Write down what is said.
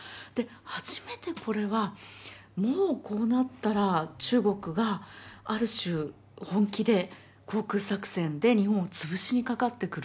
初めてこれはもうこうなったら中国がある種本気で航空作戦で日本を潰しにかかってくる。